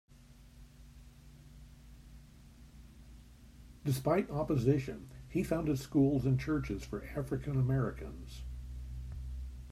Despite opposition, he founded schools and churches for African-Americans.